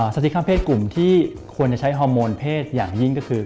สติข้ามเพศกลุ่มที่ควรจะใช้ฮอร์โมนเพศอย่างยิ่งก็คือ